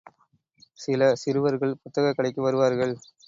சில சிறுவர்கள் புத்தகக் கடைக்கு வருவார்கள்.